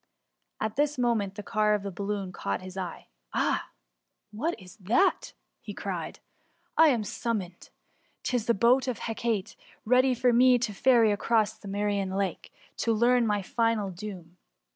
'' At this moment the car of the balloon caught his eye :" Ah 1 what is that i^ cried he ;^* I am summoned ! 'Tis the boat of Hecate, ready to ferry me across the Mserian Lake, to learn my final doom.